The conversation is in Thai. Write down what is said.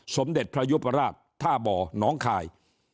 สมเด็จพระยุปราชท่าบ่อน้องคาย